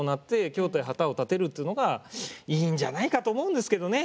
京都へ旗を立てるというのがいいんじゃないかと思うんですけどね。